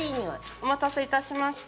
お待たせいたしました。